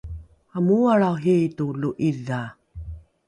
amooalrao hiito lo’idha